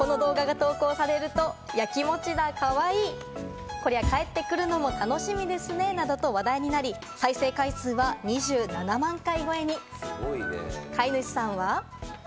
この動画が投稿されると、ヤキモチだ、かわいい、こりゃ帰ってくるのも楽しみですねなどと話題になり、再生回数は２７万回超えに。